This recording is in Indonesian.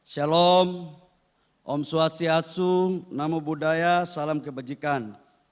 shalom om swastiatsu namo buddhaya salam kebajikan